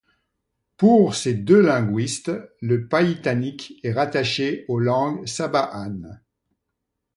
Pour ces deux linguistes, le païtanique est rattaché aux langues sabahanes.